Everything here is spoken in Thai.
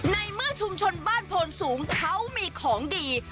ในเมื่อชุมชนบ้านโพนสูงเขามีของดี